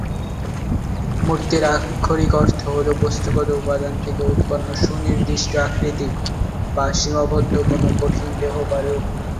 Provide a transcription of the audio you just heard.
মূর্তির আক্ষরিক অর্থ হল বস্তুগত উপাদান থেকে উৎপন্ন সুনির্দিষ্ট আকৃতি বা সীমাবদ্ধ কোনো কঠিন দেহ বা রূপ।